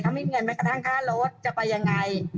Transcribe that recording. เขาไม่มีเงินไปกระทั่งค่ารถจะไปอย่างไร